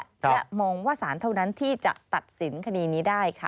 และมองว่าสารเท่านั้นที่จะตัดสินคดีนี้ได้ค่ะ